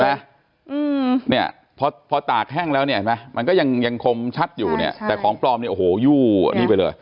อืมเนี่ยพอพอตากแห้งแล้วเนี่ยเห็นไหมมันก็ยังยังคงชัดอยู่เนี่ยแต่ของปลอมเนี่ยโอ้โหยู่อันนี้ไปเลย